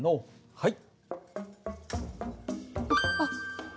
はい。